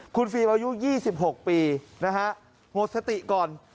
คุณฟิล์มอายุ๒๖ปีงดสติก่อน